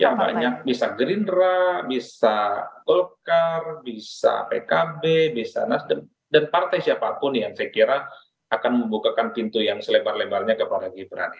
ya banyak bisa gerindra bisa golkar bisa pkb bisa nasdem dan partai siapapun yang saya kira akan membukakan pintu yang selebar lebarnya kepada gibran